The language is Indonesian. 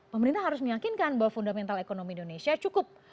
pemerintah harus meyakinkan bahwa fundamental ekonomi indonesia cukup